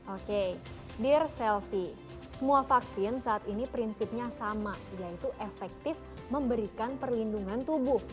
oke dear selfie semua vaksin saat ini prinsipnya sama yaitu efektif memberikan perlindungan tubuh